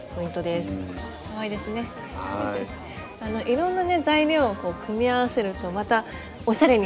いろんなね材料を組み合わるとまたおしゃれになりますね。